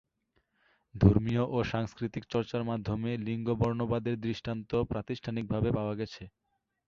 ধর্মীয় ও সাংস্কৃতিক চর্চার মাধ্যমে লিঙ্গ বর্ণবাদের দৃষ্টান্ত প্রাতিষ্ঠানিকভাবে পাওয়া গেছে।